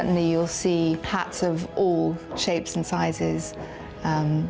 dan saya pikir pasti anda akan melihat hati berbentuk dan ukuran